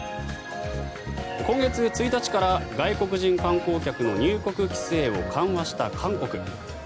今月１日から外国人観光客の入国規制を緩和した韓国。